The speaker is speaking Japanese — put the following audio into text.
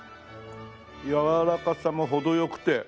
やわらかさも程良くて。